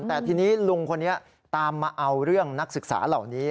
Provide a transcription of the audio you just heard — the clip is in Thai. แต่ทีนี้ลุงคนนี้ตามมาเอาเรื่องนักศึกษาเหล่านี้